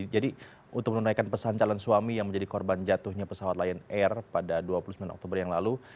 jadi untuk menunaikan pesan calon suami yang menjadi korban jatuhnya pesawat lion air pada dua puluh sembilan oktober yang lalu